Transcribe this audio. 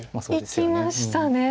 いきましたね。